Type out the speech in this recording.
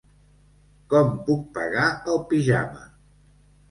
Com puc pagar el pijama?